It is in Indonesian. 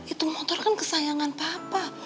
itu motor kan kesayangan papa